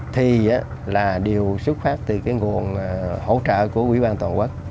thì là điều xuất phát từ cái nguồn hỗ trợ của quỹ ban toàn quốc